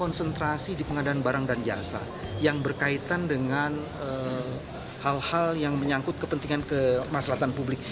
konsentrasi di pengadaan barang dan jasa yang berkaitan dengan hal hal yang menyangkut kepentingan kemaslahatan publik